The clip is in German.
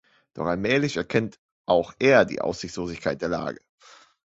Doch allmählich erkennt auch er die Aussichtslosigkeit der Lage.